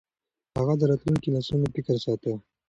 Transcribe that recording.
هغه د راتلونکو نسلونو فکر ساته.